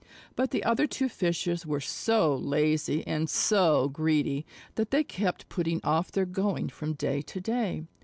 But the other two Fishes were so lazy and so greedy that they kept putting off their going from day to day.